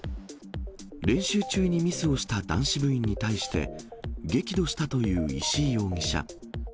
練習中にミスをした男子部員に対して、激怒したという石井容疑者。